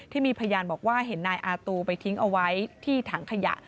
ที่มีพยานบอกว่าเห็นนายอาตูไปทิ้งเอาไว้ที่ถังขยะ